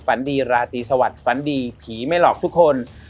ฝันดีราตรีสวัสดิ์ฝันดีผีไม่หลอกทุกคน